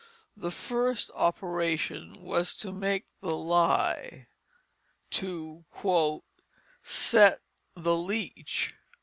The first operation was to make the lye, to "set the leach."